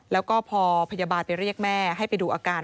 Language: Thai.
แล้วก็พอพยาบาลไปเรียกแม่ให้ไปดูอาการ